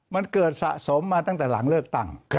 มันเกิดสะสมมาตั้งแต่หลังเลือกตั้ง